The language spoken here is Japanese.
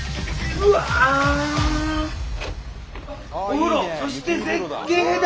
お風呂そして絶景だ！